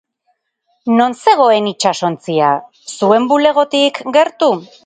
Non zegoen itsasontzia, zuen bulegotik gertu?